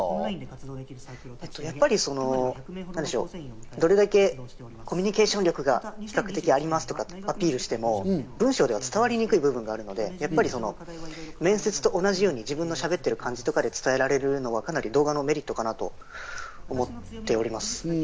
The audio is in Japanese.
やっぱりどれだけコミュニケーション力が比較的ありますとかアピールしても、文章では伝わりにくい部分があるので、面接と同じように自分がしゃべってる感じとかで伝えられるのは動画のメリットかなと思っております。